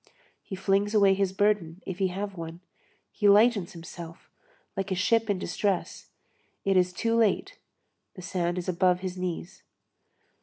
He flings away his burden, if he have one, he lightens himself, like a ship in distress; it is too late, the sand is above his knees.